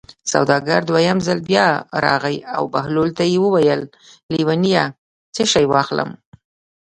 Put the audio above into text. سوداګر دویم ځل بیا راغی او بهلول ته یې وویل: لېونیه څه شی واخلم.